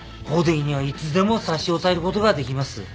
法的にはいつでも差し押さえることができます。